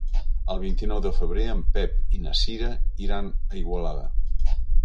El vint-i-nou de febrer en Pep i na Cira iran a Igualada.